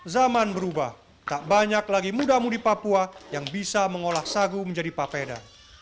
zaman berubah tak banyak lagi muda mudi papua yang bisa mengolah sagu menjadi papeda